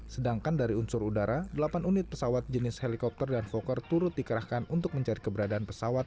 sedangkan dari unsur udara delapan unit pesawat jenis helikopter dan voker turut dikerahkan untuk mencari keberadaan pesawat